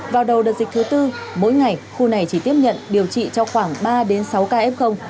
vào đầu đợt dịch thứ tư mỗi ngày khu này chỉ tiếp nhận điều trị cho khoảng ba đến sáu ca f